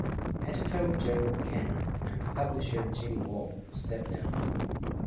Editor Joe Cannon and publisher Jim Wall stepped down.